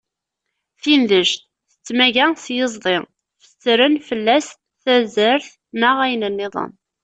Tidnect tettmaga s yiẓdi, fessren fell-as tazart neɣ ayen nniḍen.